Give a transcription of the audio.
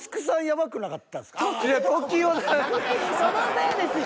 最初そのせいですよ。